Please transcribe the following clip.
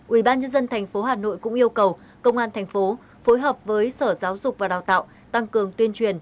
ubnd tp hà nội cũng yêu cầu công an thành phố phối hợp với sở giáo dục và đào tạo tăng cường tuyên truyền